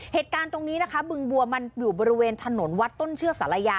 เหตุการณ์นี้นะคะบึงบัวมันอยู่บริเวณถนนวัดต้นเชือกศาลายา